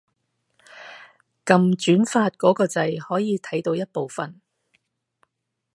撳轉發嗰個掣可以睇到一部分